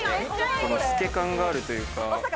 この透け感があるというか。